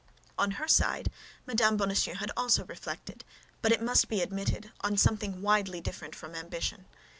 On her side Mme. Bonacieux had also reflected; but, it must be admitted, upon something widely different from ambition.